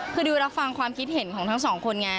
คือดิวรับฟังความคิดเห็นของทั้งสองคนไง